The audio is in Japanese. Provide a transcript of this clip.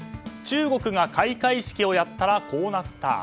中国が開会式をやったらこうなった。